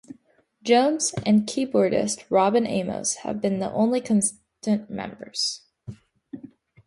Jones and keyboardist Robin Amos have been the only constant members.